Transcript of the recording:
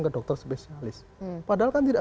ke dokter spesialis padahal kan tidak